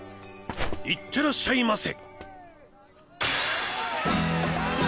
行ってらっしゃいませ！